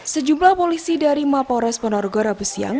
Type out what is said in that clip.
sejumlah polisi dari mapores ponorogo rabu siang